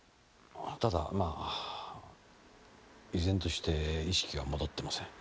ただまぁ依然として意識が戻ってません。